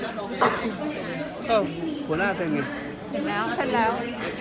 เซ็นแล้วเซ็นเรียบร้อยหมดแล้ว